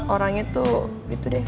orangnya tuh gitu deh